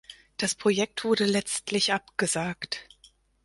Das Projekt wurde letztlich abgesagt.